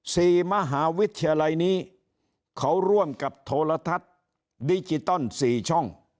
สี่มหาวิทยาลัยนี้เขาร่วมกับโทรทัศน์ดิจิตอลสี่ช่อง